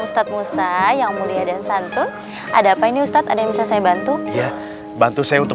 ustadz musa yang mulia dan santun ada apa ini ustadz ada yang bisa saya bantu ya bantu saya untuk